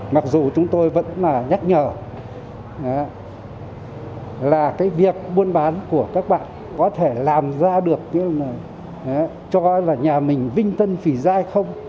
mặc dù chúng tôi vẫn nhắc nhở là cái việc buôn bán của các bạn có thể làm ra được cho là nhà mình vinh tân phỉ dai không